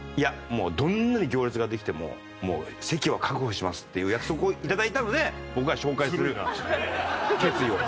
もうどんなに行列ができても席は確保しますっていう約束を頂いたので僕が紹介する決意を。